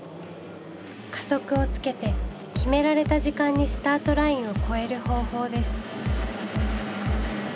加速をつけて決められた時間にスタートラインを越える方法です。